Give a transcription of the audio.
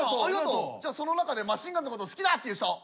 じゃあその中でマシンガンズのこと好きだ！っていう人。